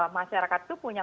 masyarakat itu punya